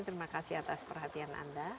terima kasih atas perhatian anda